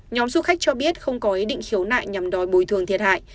nhóm du khách cho biết không có ý định khiếu nại nhằm đòi bồi thường thiệt hại